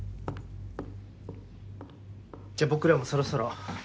じゃ僕らもそろそろ。